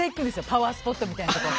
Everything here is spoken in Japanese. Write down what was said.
パワースポットみたいなところ。